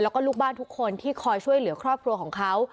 แล้วก็ลูกบ้านทุกคนที่คอยช่วยเหลือครอบครัวของเขา